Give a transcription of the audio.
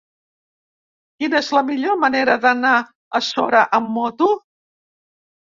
Quina és la millor manera d'anar a Sora amb moto?